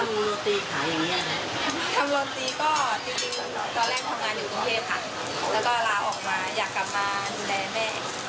แล้วก็ลาออกมาอยากกลับมาดูแลแม่